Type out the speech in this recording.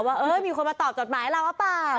ว่าเออมีคนมาตอบจดหมายเราหรือเปล่า